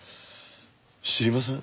知りません？